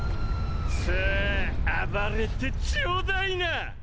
さあ暴れてちょうだいな！！